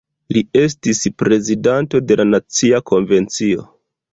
Li estis prezidanto de la Nacia Konvencio.